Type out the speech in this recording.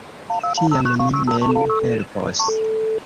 Tiam ni mem helpos!